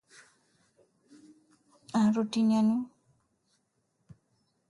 Daliliza ugonjwa wa shingo kupinda kwa ngamia